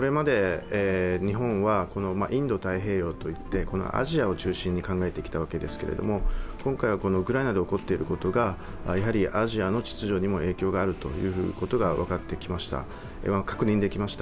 これまで日本はインド太平洋といって、アジアを中心に考えてきたわけですけれども今回はウクライナで起こっていることがやはりアジアの秩序にも影響があることが分かってきました。